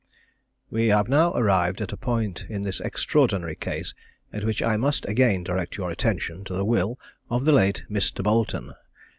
_ We have now arrived at a point in this extraordinary case at which I must again direct your attention to the will of the late Mr. Boleton.